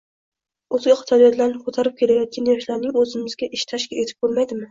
o‘zga iqtisodiyotlarni ko‘tarib kelayotgan yoshlarimizga o‘zimizda ish tashkil etib bo‘lmaydimi?